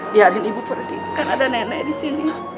biarin ibu pergi kan ada nenek disini